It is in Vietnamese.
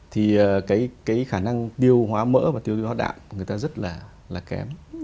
thì cái khả năng tiêu hóa mỡ và tiêu hóa đạm người ta rất là kém